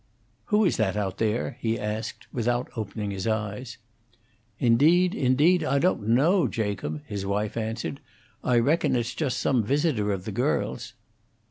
"Who is that out there?" he asked, without opening his eyes. "Indeed, indeed, I don't know, Jacob," his wife answered. "I reckon it's just some visitor of the girls'."